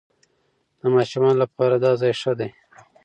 د ماشومانو لپاره دا ځای ښه دی.